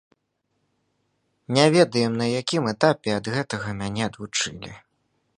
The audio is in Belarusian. Не ведаю, на якім этапе ад гэтага мяне адвучылі.